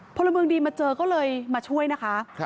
พลเมืองดีมาเจอก็เลยมาช่วยนะคะ